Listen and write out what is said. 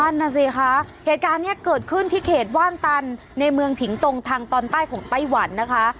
นั่นน่ะสิคะเหตุการณ์นี้เกิดขึ้นที่เขตว่านตันในเมืองผิงตรงทางตอนใต้ของไต้หวันนะคะ